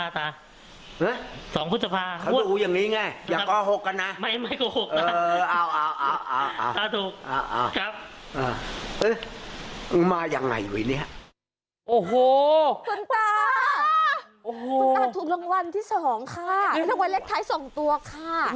ถูกรางวัลเล็กท้ายสองตัวค่ะ